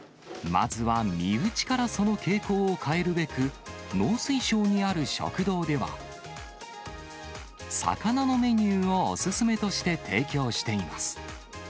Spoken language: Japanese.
まずは身内からその傾向を変えるべく、農水省にある食堂では、魚のメニューをお勧めとして提供しています。